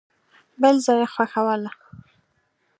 بل ځای یې ښخوله.